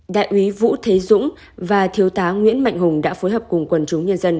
đại úy vũ thế dũng và thiếu tá nguyễn mạnh hùng đã phối hợp cùng quần chúng nhân dân